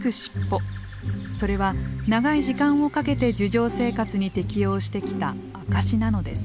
それは長い時間をかけて樹上生活に適応してきた証しなのです。